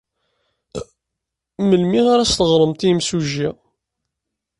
Melmi ara as-teɣremt i yimsujji?